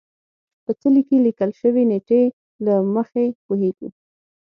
په څلي کې لیکل شوې نېټې له مخې پوهېږو.